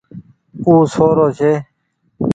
او سو رو ڇي۔